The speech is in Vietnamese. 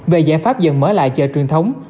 về giải pháp dần mở lại chợ truyền thống